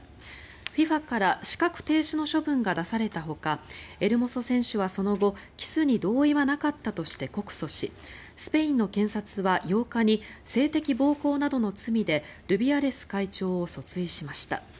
ＦＩＦＡから資格停止の処分が出されたほかエルモソ選手はその後キスに同意はなかったとして告訴しスペインの検察は８日に性的暴行などの罪でルビアレス会長を訴追しました。